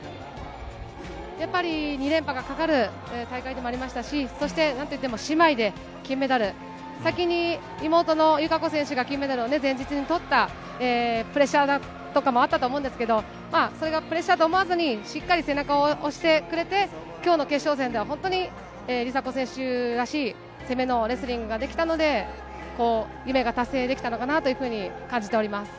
やっぱり２連覇がかかる大会でもありましたし、そしてなんといっても姉妹で金メダル、先に妹の友香子選手が金メダルを前日にとったプレッシャーとかもあったと思うんですけれども、まあ、それがプレッシャーと思わずに、しっかり背中を押してくれて、きょうの決勝戦では本当に梨紗子選手らしい攻めのレスリングができたので、夢が達成できたのかなというふうに感じております。